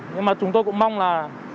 nhưng mà chúng tôi cũng mong là